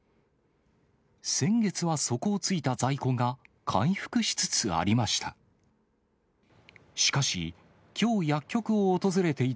先月は底をついた在庫が、回復しつつありました。